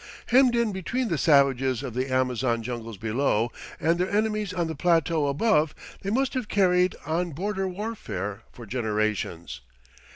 Hemmed in between the savages of the Amazon jungles below and their enemies on the plateau above, they must have carried on border warfare for generations.